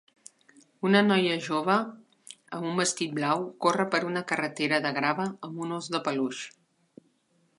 Una noia jove amb un vestit blau corre per una carretera de grava amb un ós de peluix.